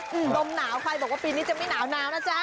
กลมหนาวใครบอกปีนี้จะไม่หนาวล่ะจ๊ะ